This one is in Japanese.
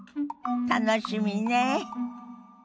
楽しみねえ。